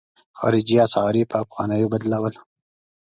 خارجي اسعار یې په افغانیو بدلول.